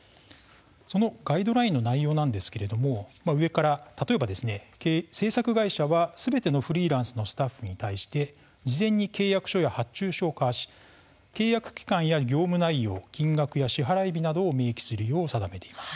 そのガイドラインの内容なんですが例えば制作会社はすべてのフリーランスのスタッフに対して事前に契約書や発注書を交わし契約期間や業務内容、金額や支払日などを明記するよう定めています。